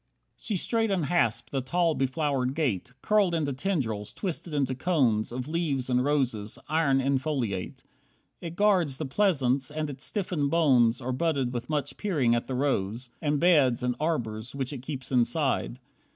27 She straight unhasped the tall, beflowered gate. Curled into tendrils, twisted into cones Of leaves and roses, iron infoliate, It guards the pleasance, and its stiffened bones Are budded with much peering at the rows, And beds, and arbours, which it keeps inside.